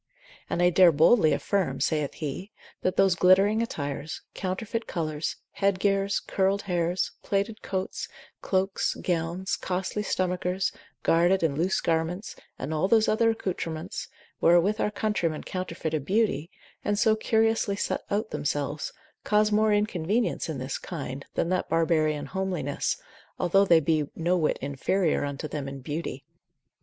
And I dare boldly affirm (saith he) that those glittering attires, counterfeit colours, headgears, curled hairs, plaited coats, cloaks, gowns, costly stomachers, guarded and loose garments, and all those other accoutrements, wherewith our countrywomen counterfeit a beauty, and so curiously set out themselves, cause more inconvenience in this kind, than that barbarian homeliness, although they be no whit inferior unto them in beauty.